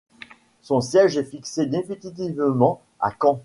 Son siège est fixé définitivement à Caen.